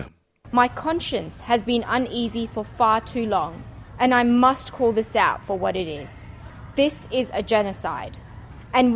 kepala saya telah berasa tidak mudah selama terlalu lama dan saya harus mengatakan ini untuk apa yang terjadi